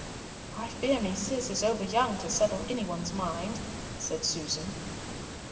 "I fear me Cis is over young to settle any one's mind," said Susan.